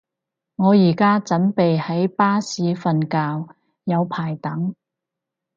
我而家準備喺巴士瞓覺，有排等